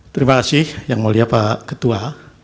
terima kasih yang mulia pak ketua